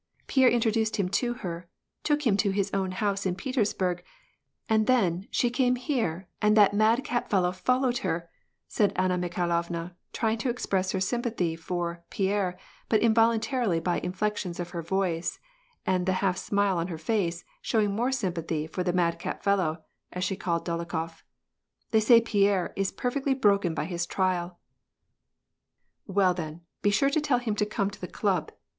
Pierre introduced to her, took him to his own house in Petersburg, and — she came here and that madcap fellow followed her," Anna Mikhailovna, trying to express her sympathy for but involuntarily by the inflections of her voice and the half smile on her face, showing more sympathy for the adcap fellow," as she called Dolokhof ." They say Pierre rfectly broken by his trial." Well then, be sure to tell him to come to the club.